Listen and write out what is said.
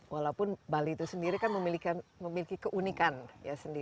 walaupun bali itu sendiri kan memiliki keunikan